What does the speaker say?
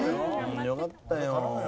よかったよ。